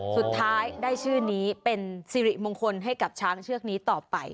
สุดท้ายได้ชื่อนี้เป็นสิริมงคลให้กับช้างเชือกนี้ต่อไป